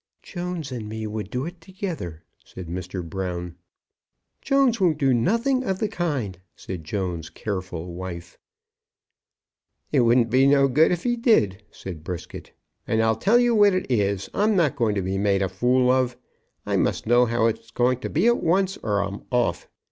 "Jones and me would do it together," said Mr. Brown. "Jones won't do nothing of the kind," said Jones's careful wife. "It would be no good if he did," said Brisket. "And, I'll tell you what it is, I'm not going to be made a fool of; I must know how it's to be at once, or I'm off."